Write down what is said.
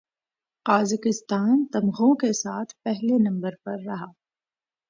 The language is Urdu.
قازقستان تمغوں کے ساتھ پہلے نمبر پر رہا